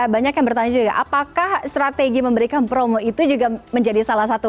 banyak yang bertanya juga apakah strategi memberikan promo itu juga menjadi salah satu